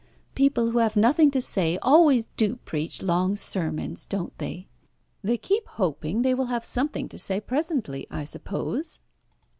People who have nothing to say always do preach long sermons, don't they? They keep hoping they will have something to say presently, I suppose."